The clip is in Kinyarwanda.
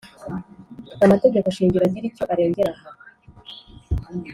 amategeko shingiro agira icyo arengera aha,